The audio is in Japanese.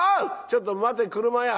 「ちょっと待て俥屋。